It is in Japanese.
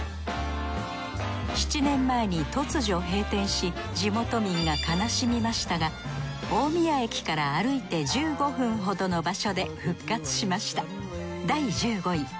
７年前に突如閉店し地元民が悲しみましたが大宮駅から歩いて１５分ほどの場所で復活しました